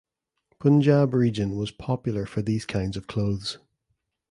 Punjab region was popular for these kind of clothes.